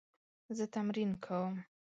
زه تمرین کوم